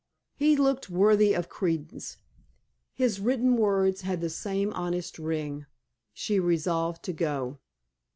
He looked worthy of credence. His written words had the same honest ring. She resolved to go.